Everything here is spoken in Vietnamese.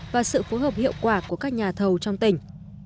và sự phối hợp hiệu quả của các nhà thầu trong tỉnh